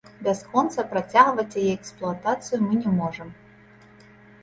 Бясконца працягваць яе эксплуатацыю мы не можам.